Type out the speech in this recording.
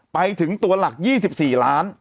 ไปถึงตัวหลัก๒๔ล้าน